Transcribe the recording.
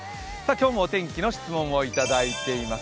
今日もお天気の質問をいただいています。